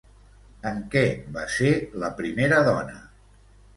En què va ser la primera dona?